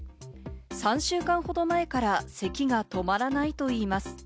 ３週間ほど前から咳が止まらないといいます。